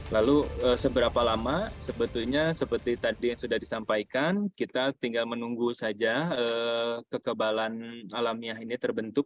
lalu seberapa lama sebetulnya seperti tadi yang sudah disampaikan kita tinggal menunggu saja kekebalan alamiah ini terbentuk